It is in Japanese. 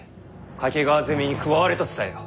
懸川攻めに加われと伝えよ。